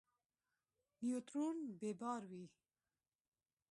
نیوترون بې بار وي.